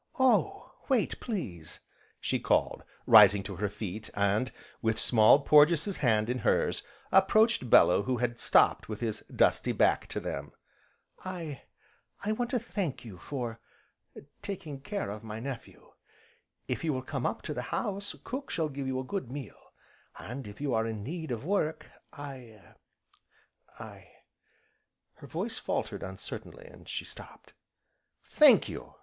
"Oh, wait, please!" she called, rising to her feet, and, with Small Porges' hand in hers, approached Bellew who had stopped with his dusty back to them. "I I want to thank you for taking care of my nephew. If you will come up to the house cook shall give you a good meal, and, if you are in need of work, I I " her voice faltered uncertainly, and she stopped. "Thank you!"